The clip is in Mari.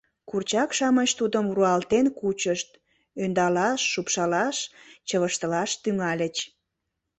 Курчак-шамыч тудым руалтен кучышт, ӧндалаш, шупшалаш, чывыштылаш тӱҥальыч.